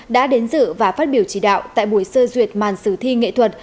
đã đến dự và phát biểu chỉ đạo tại buổi sơ duyệt màn sử thi nghệ thuật